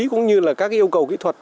cũng như là các yêu cầu kỹ thuật